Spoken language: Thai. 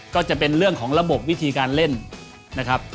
ก็จะเป็นเรื่องของระบบวิธีการเล่นนะครับ